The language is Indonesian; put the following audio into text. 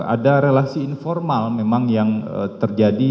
ada relasi informal memang yang terjadi